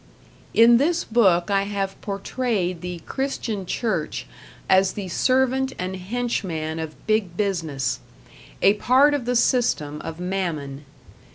In this book I have portrayed the Christian Church as the servant and henchman of Big Business, a part of the system of Mammon.